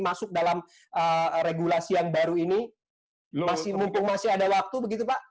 masuk dalam regulasi yang baru ini masih mumpung masih ada waktu begitu pak